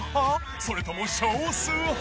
それとも少数派？